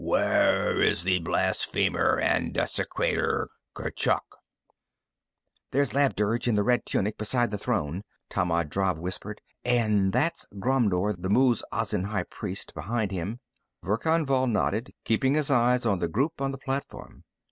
"Where is the blasphemer and desecrator, Kurchuk?" "There's Labdurg, in the red tunic, beside the throne," Tammand Drav whispered. "And that's Ghromdur, the Muz Azin high priest, beside him." Verkan Vall nodded, keeping his eyes on the group on the platform.